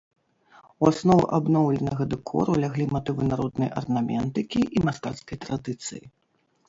У аснову абноўленага дэкору ляглі матывы народнай арнаментыкі і мастацкай традыцыі.